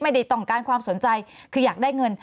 ไม่ได้ต้องการความสนใจคืออยากได้เงิน